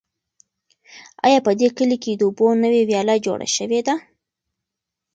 آیا په دې کلي کې د اوبو نوې ویاله جوړه شوې ده؟